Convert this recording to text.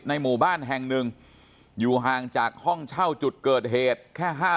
หมู่บ้านแห่งหนึ่งอยู่ห่างจากห้องเช่าจุดเกิดเหตุแค่ห้า